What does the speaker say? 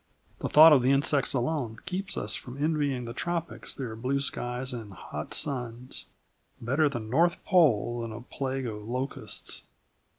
The thought of the insects alone keeps us from envying the tropics their blue skies and hot suns. Better the North Pole than a plague of locusts.